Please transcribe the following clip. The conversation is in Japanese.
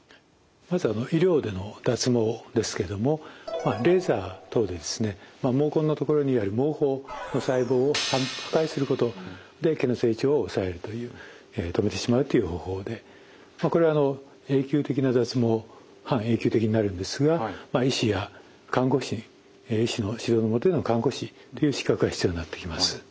まず医療での脱毛ですけれどもレーザー等で毛根の所にある毛包の細胞を破壊することで毛の成長を抑えるという止めてしまうという方法でこれは永久的な脱毛半永久的になるんですが医師や看護師医師の指導のもとでの看護師という資格が必要になってきます。